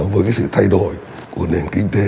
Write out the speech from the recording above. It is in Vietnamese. với sự thay đổi của nền kinh tế